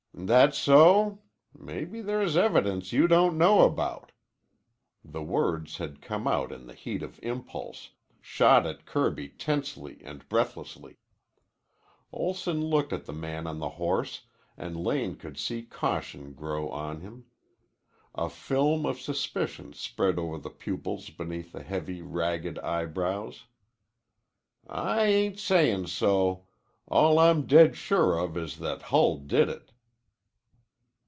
"That so? Mebbe there's evidence you don't know about." The words had come out in the heat of impulse, shot at Kirby tensely and breathlessly. Olson looked at the man on the horse and Lane could see caution grow on him. A film of suspicion spread over the pupils beneath the heavy, ragged eyebrows. "I ain't sayin' so. All I'm dead sure of is that Hull did it."